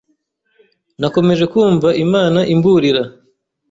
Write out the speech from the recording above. Nakomeje kumva Imana imburira